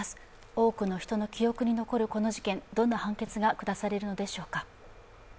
多くの人の記憶に残るこの事件、どんな判決が下されるのでしょうか。